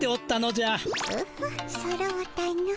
オホッそろうたの。